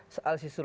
ada pak sandi